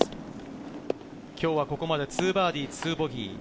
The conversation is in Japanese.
今日はここまで２バーディー２ボギー。